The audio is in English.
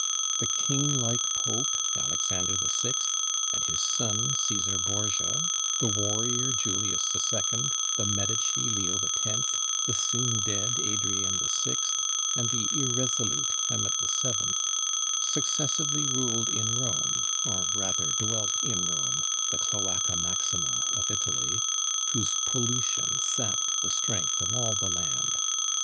The king like pope Alexander VI. and his son Cæsar Borgia, the warrior Julius II., the Medici Leo X., the soon dead Adrian VI., and the irresolute Clement VII., successively ruled in Rome, or rather dwelt in Rome, the Cloaca Maxima of Italy, whose pollution sapped the strength of all the land.